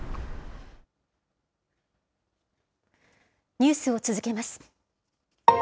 ニュースを続けます。